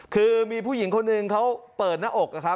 คือมีผู้หญิงคนหนึ่งเขาเปิดหน้าอกนะครับ